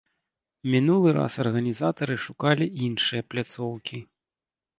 Мінулы раз арганізатары шукалі іншыя пляцоўкі.